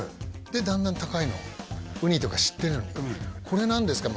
でだんだん高いのをウニとか知ってるのに「これ何ですか？」